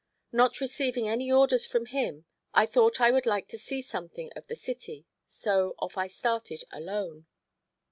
Not receiving any orders from him I thought I would like to see something of the city; so off I started alone.